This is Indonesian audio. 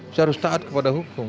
saya harus taat kepada hukum